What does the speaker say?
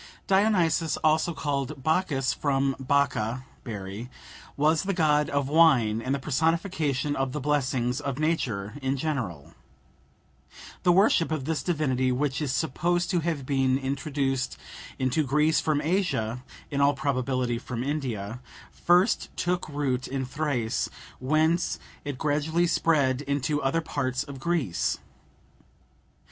Dionysus, also called Bacchus (from bacca, berry), was the god of wine, and the personification of the blessings of Nature in general. The worship of this divinity, which is supposed to have been introduced into Greece from Asia (in all probability from India), first took root in Thrace, whence it gradually spread into other parts of Greece.